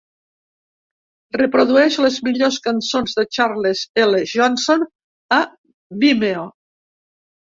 Reprodueix les millors cançons de Charles L. Johnson a vimeo